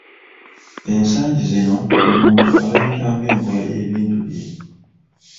Ensangi zino buli muntu alabika ng’enkola y’ebintu bye.